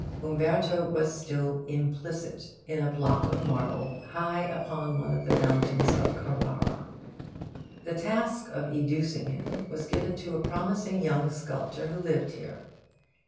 Umberto was still implicit in a block of marble, high upon one of the mountains of Carrara. The task of educing him was given to a promising young sculptor who lived here.